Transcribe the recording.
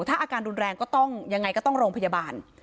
ถ้าผิดอาการรุนแรงก็อย่างไรจะต้องโรงพยาบาล